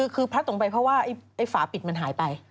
คือพลัดตกไปเพราะว่าไอ้ฝาปิดมันหายไป